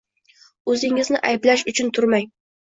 O’zingizni ayblash uchun turmang!